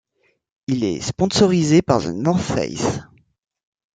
Il est sponsorisé par The North Face.